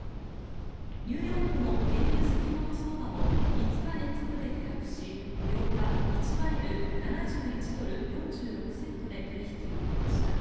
ニューヨークの原油先物相場も５日連続で下落し８日１バレル＝７１ドル４６セントで取引を終えました。